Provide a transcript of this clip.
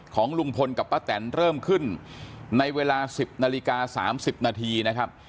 ของลุงพลกับป้าแตนเริ่มขึ้นในเวลา๑๐นาฬิกา๓๐นาทีนะครับ